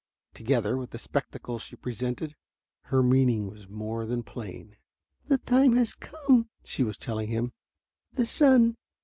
Together with the spectacle she presented, her meaning was more than plain. "The time has come," she was telling him. "The sun